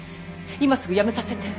今すぐやめさせて。